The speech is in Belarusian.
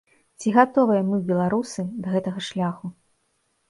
Ці гатовыя мы, беларусы, да гэтага шляху?